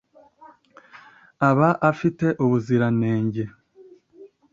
Aba afite ubuziranenge